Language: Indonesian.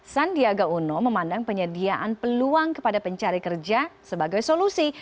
sandiaga uno memandang penyediaan peluang kepada pencari kerja sebagai solusi